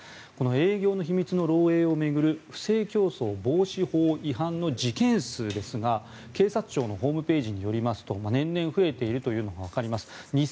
営業の秘密の漏えいを巡る不正競争防止法違反の事件数ですが警察庁のホームページによりますと年々増えているというのがわかります。